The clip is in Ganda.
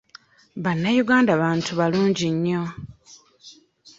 Bannayuganda bantu balungi nnyo.